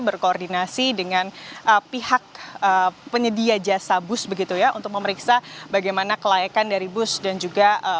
berkoordinasi dengan pihak penyedia jasa bus begitu ya untuk memeriksa bagaimana kelayakan dari bus dan juga